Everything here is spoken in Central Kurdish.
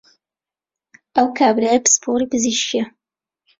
ئەو کابرایە پسپۆڕی پزیشکییە